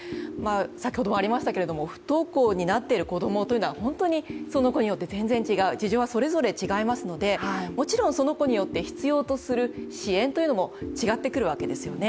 先ほどもありましたが、不登校になっている子供というのは本当に、その子によって全然違う事情はそれぞれ違いますのでもちろんその子によって必要とする支援というのも違ってくるわけですよね。